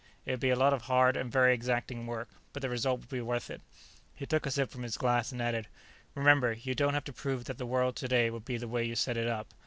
It would be a lot of hard and very exacting work, but the result would be worth it." He took a sip from his glass and added: "Remember, you don't have to prove that the world today would be the way you set it up.